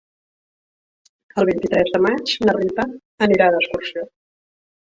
El vint-i-tres de maig na Rita anirà d'excursió.